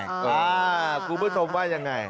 คุณผู้ชมว่ายังไง